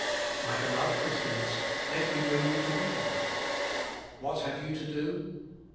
My beloved Christians, let me bring you to the point. What have you to do?